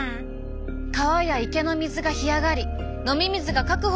川や池の水が干上がり飲み水が確保できなくなると。